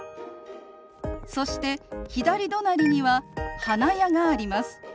そして左隣には花屋があります。